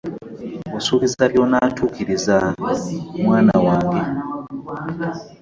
Osubiza nga byonatukirizza mwanwange .